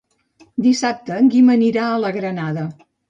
Dissabte en Guim anirà a la Granada.